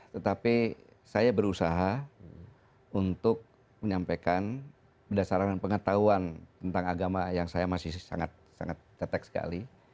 tetapi saya berusaha untuk menyampaikan berdasarkan pengetahuan tentang agama yang saya masih sangat tetek sekali